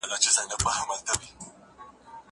زه به سبا موبایل کاروم؟